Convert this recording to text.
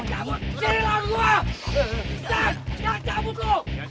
guys jangan cabut lo